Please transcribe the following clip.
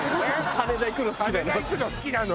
羽田行くの好きなの。